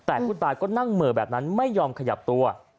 แต่ผู้ตายก็นั่งเหม่อแบบนั้นไม่ยอมขยับตัว